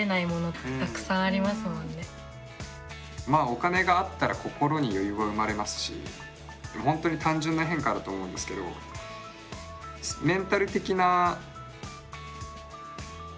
お金があったら心に余裕が生まれますし本当に単純な変化だと思うんですけどメンタル的な変化はありますよね